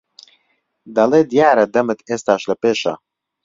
دەڵێ دیارە دەمت ئێستاش لەپێشە